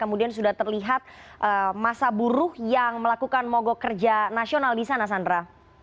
kemudian sudah terlihat masa buruh yang melakukan mogok kerja nasional di sana sandra